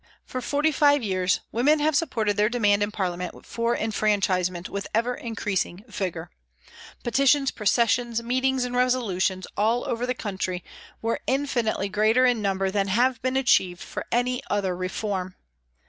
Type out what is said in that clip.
For forty five years women have supported their demand in Parliament for enfranchisement with ever in creasing vigour. Petitions, processions, meetings and resolutions all over the country were infinitely greater in number than have been achieved for any other reform.